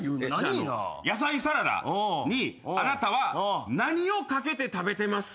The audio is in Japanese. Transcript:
野菜サラダにあなたは何をかけて食べてますか？